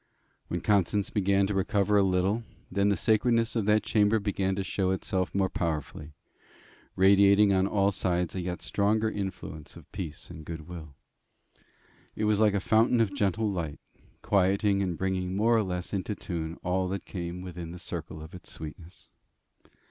When Constance began to recover a little, then the sacredness of that chamber began to show itself more powerfully, radiating on all sides a yet stronger influence of peace and goodwill. It was like a fountain of gentle light, quieting and bringing more or less into tune all that came within the circle of its sweetness.